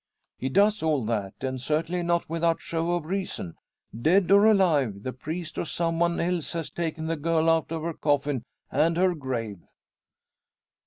"He does all that; and certainly not without show of reason. Dead or alive, the priest or some one else has taken the girl out of her coffin, and her grave."